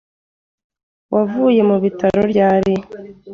Wavuye mu bitaro ryari?